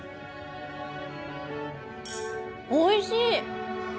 おいしい！